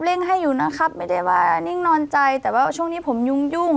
ให้อยู่นะครับไม่ได้ว่านิ่งนอนใจแต่ว่าช่วงนี้ผมยุ่ง